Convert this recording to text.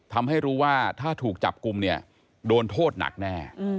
ทำให้รู้ว่าถ้าถูกจับกลุ่มเนี่ยโดนโทษหนักแน่